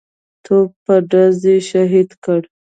د توپ پر ډز یې شهید کړ.